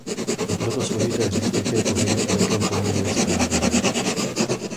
Je proto složité říci jaké koření a v jakém poměru je správně.